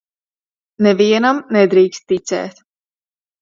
Nevienam nedrīkst ticēt.